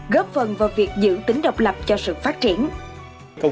góp phần vào việc giữ tính độc lập cho sự phát triển